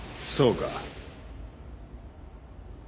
そうか。